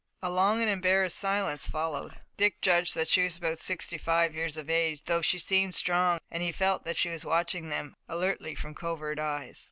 A long and embarrassed silence followed. Dick judged that she was about sixty five years of age, though she seemed strong and he felt that she was watching them alertly from covert eyes.